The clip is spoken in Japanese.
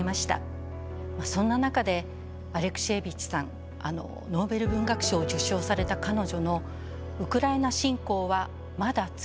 そんな中でアレクシエービッチさんノーベル文学賞を受賞された彼女の「ウクライナ侵攻はまだ続く」